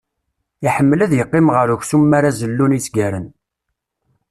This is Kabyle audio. Iḥemmel ad yeqqim ɣer uksum m'ara zellun izgaren.